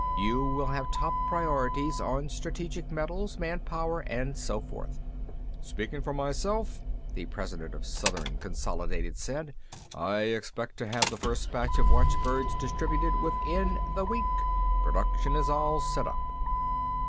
You will have top priorities on strategic metals, manpower, and so forth." "Speaking for myself," the president of Southern Consolidated said, "I expect to have the first batch of watchbirds distributed within the week. Production is all set up."